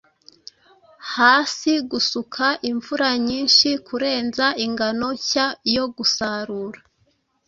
Hasi gusuka imvura nyinshi Kurenza ingano nshya yo gusarura